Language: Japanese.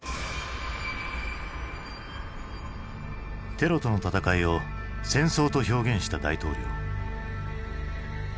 テロとの戦いを「戦争」と表現した大統領。